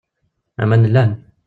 Aman llan.